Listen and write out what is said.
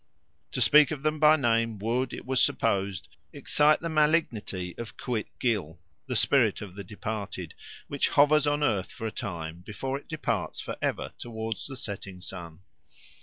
To speak of them by name would, it was supposed, excite the malignity of Couit gil, the spirit of the departed, which hovers on earth for a time before it departs for ever towards the setting sun.